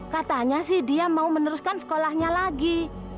katanya sih dia mau meneruskan sekolahnya lagi